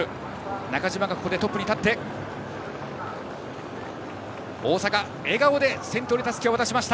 中島がトップに立って大阪笑顔で先頭にたすきを渡しました。